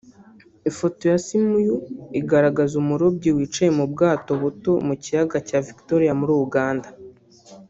Ifoto ya Simiyu igaragaza umurobyi wicaye mu bwato buto mu kiyaga cya Victoria muri Uganda